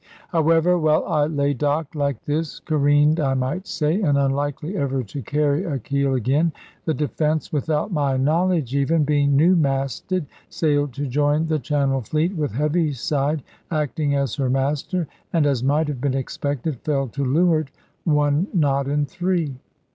However (while I lay docked like this, careened I might say, and unlikely ever to carry a keel again), the Defence, without my knowledge even, being new masted, sailed to join the Channel Fleet, with Heaviside acting as her master; and as might have been expected, fell to leeward one knot in three.